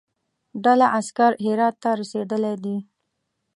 ډله عسکر هرات ته رسېدلی دي.